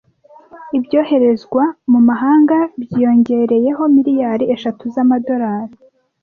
Ibyoherezwa mu mahanga byiyongereyeho miliyari eshatu z'amadolari.